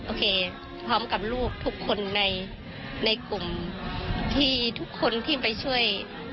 โอเคพร้อมกับลูกทุกคนในกลุ่มที่ทุกคนที่ไปช่วย